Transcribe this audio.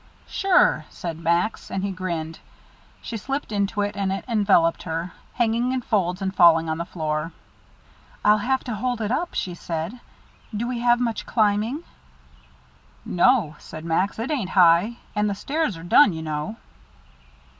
"Sure," said Max, and he grinned. She slipped into it, and it enveloped her, hanging in folds and falling on the floor. "I'll have to hold it up," she said. "Do we have much climbing?" "No," said Max, "it ain't high. And the stairs are done, you know."